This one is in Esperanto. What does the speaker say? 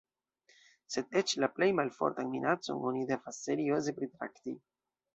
Sed eĉ la plej malfortan minacon oni devas serioze pritrakti.